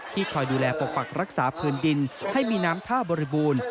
คอยดูแลปกปักรักษาพื้นดินให้มีน้ำท่าบริบูรณ์